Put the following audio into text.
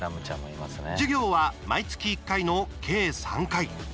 授業は毎月１回の計３回。